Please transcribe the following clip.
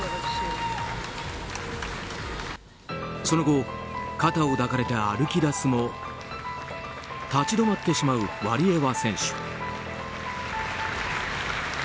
その後肩を抱かれて歩き出すも立ち止まってしまうワリエワ選手。